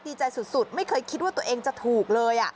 ดีใจสุดไม่เคยคิดว่าตัวเองจะถูกเลย